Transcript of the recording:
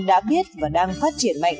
đã biết và đang phát triển mạnh